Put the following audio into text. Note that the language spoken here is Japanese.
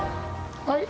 はい。